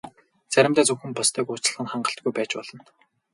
Заримдаа зөвхөн бусдыг уучлах нь хангалтгүй байж болно.